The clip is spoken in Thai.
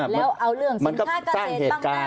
แล้วเอาเรื่องสินค้ากัดแดดตั้งหน้า